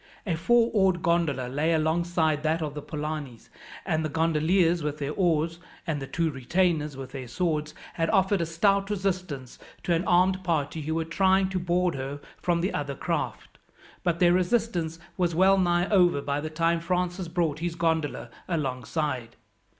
A four oared gondola lay alongside that of the Polanis, and the gondoliers with their oars, and the two retainers with their swords, had offered a stout resistance to an armed party who were trying to board her from the other craft, but their resistance was well nigh over by the time Francis brought his gondola alongside.